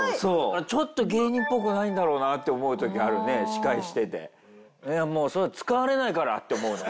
ちょっと芸人っぽくないんだろうなって思う時あるね司会してて。って思うの。